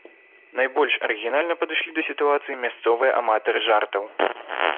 Найбольш арыгінальна падышлі да сітуацыі мясцовыя аматары жартаў.